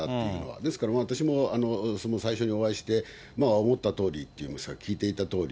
ですから私も最初にお会いして、思ったとおりっていいますか、聞いていたとおり、